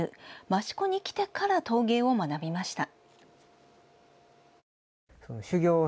益子に来てから陶芸を学びました。